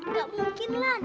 gak mungkin lah